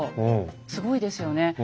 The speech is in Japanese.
すごいですよね。